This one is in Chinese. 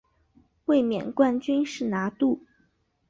卫冕冠军是拿度。